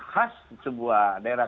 khas sebuah daerah